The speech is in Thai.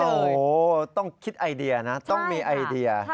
โอ้โหต้องคิดไอเดียนะต้องมีไอเดีย